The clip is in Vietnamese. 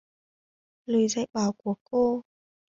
Lời dạy bảo của cô